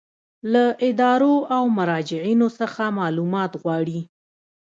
له ادارو او مراجعو څخه معلومات غواړي.